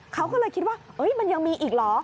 เขาก็เลยคิดว่ามันยังมีอีกเหรอ